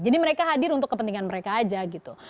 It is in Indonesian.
jadi mereka hadir untuk kepentingan mereka aja gitu